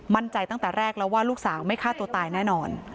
ตั้งแต่แรกแล้วว่าลูกสาวไม่ฆ่าตัวตายแน่นอน